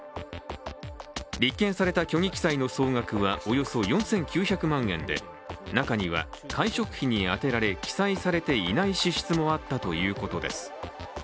立件された虚偽記載の総額はおよそ４９００万円で中には会食費に充てられ記載されていない支出もあったということです。